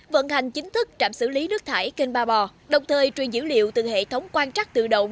vận hành chính thức trạm xử lý nước thải kênh ba bò đồng thời truyền dữ liệu từ hệ thống quan trắc tự động